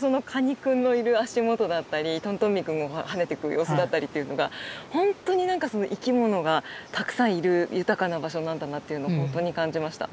君のいる足元だったりトントンミー君が跳ねてく様子だったりっていうのがほんとになんか生き物がたくさんいる豊かな場所なんだなっていうのをほんとに感じました。